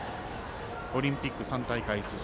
オリンピック３大会出場